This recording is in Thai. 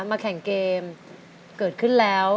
มาแข่งเกมเกิดขึ้นแล้ว